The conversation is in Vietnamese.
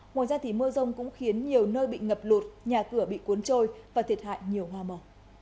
ngoài ra mưa rông cũng khiến nhiều nơi bị ngập lụt nhà cửa bị cuốn trôi và thiệt hại nhiều hoa mỏ